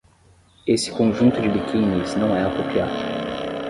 Esse conjunto de biquínis não é apropriado